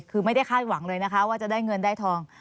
คือไม่ได้คาดหวังเลยนะคะว่าจะได้เงินได้ทอง